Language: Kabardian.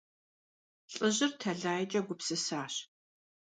Лӏыжьыр тэлайкӀэ гупсысащ.